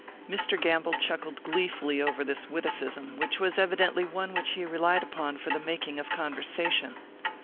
Mr. Gamble chuckled gleefully over this witticism, which was evidently one which he relied upon for the making of conversation.